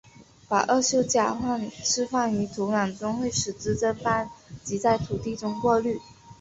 把二溴甲烷释放于土壤中会使之蒸发及在土地中过滤。